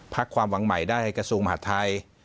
พักความวางใหม่ด้วยกระทรวงอังหาสไทย